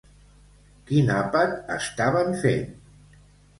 Quin àpat estaven fent?